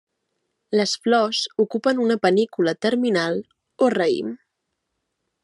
Les flors ocupen una panícula terminal o raïm.